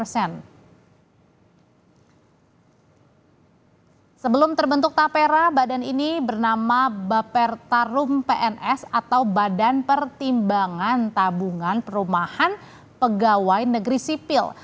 sebelum terbentuk tapera badan ini bernama bapertarum pns atau badan pertimbangan tabungan perumahan pegawai negeri sipil